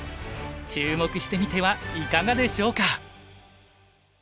注目してみてはいかがでしょうか。